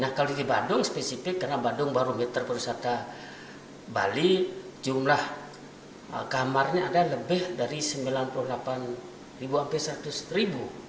nah kalau di bandung spesifik karena badung baru meter perwisata bali jumlah kamarnya ada lebih dari sembilan puluh delapan sampai seratus ribu